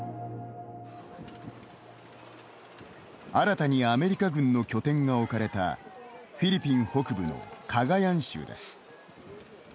新たにアメリカ軍の拠点が置かれたフィリピン北部のカガヤン州です。